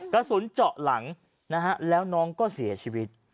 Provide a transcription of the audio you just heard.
กระสุนเจาะหลังนะฮะแล้วน้องก็เสียชีวิต